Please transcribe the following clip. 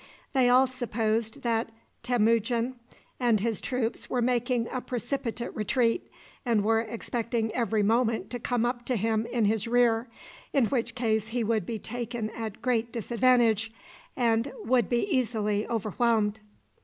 They all supposed that Temujin and his troops were making a precipitate retreat, and were expecting every moment to come up to him in his rear, in which case he would be taken at great disadvantage, and would be easily overwhelmed.